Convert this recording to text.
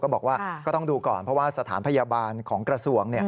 บอกว่าก็ต้องดูก่อนเพราะว่าสถานพยาบาลของกระทรวง